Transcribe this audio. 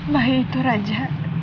bayi itu raja